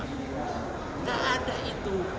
tidak ada itu